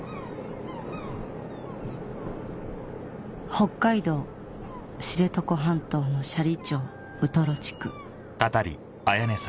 北海道知床半島の斜里町ウトロ地区